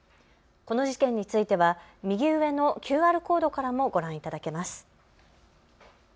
この事件については右上のＱＲコードからもご覧いただけます。